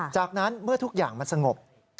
จากนั้นเมื่อทุกอย่างมันสงบ